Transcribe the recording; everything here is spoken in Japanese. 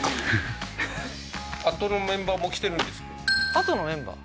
あとのメンバー？